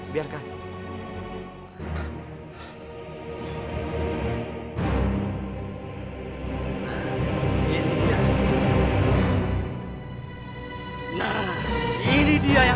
silahkan bagi ini pada mereka